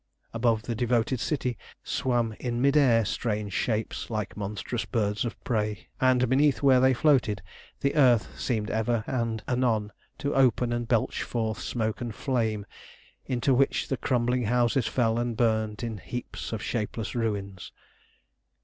Above the devoted city swam in mid air strange shapes like monstrous birds of prey, and beneath where they floated the earth seemed ever and anon to open and belch forth smoke and flame into which the crumbling houses fell and burnt in heaps of shapeless ruins.